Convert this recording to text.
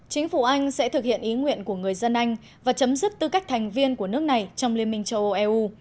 chính phủ anh sẽ thực hiện ý nguyện của người dân anh và chấm dứt tư cách thành viên của nước này trong liên minh châu âu eu